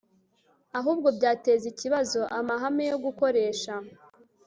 ahubwo byateza ikibazo amahame yo gukoresha